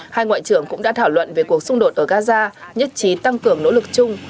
hai ngoại trưởng cũng đã thảo luận về cuộc xung đột ở gaza nhất trí tăng cường nỗ lực chung